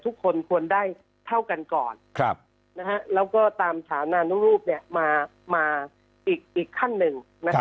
ทุกคนควรได้เท่ากันก่อนแล้วก็ตามฐานานุรูปมาอีกขั้นหนึ่ง